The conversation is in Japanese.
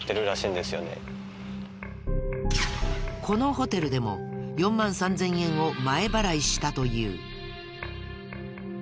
このホテルでも４万３０００円を前払いしたという。